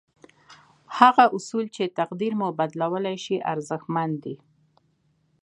هغه اصول چې تقدير مو بدلولای شي ارزښتمن دي.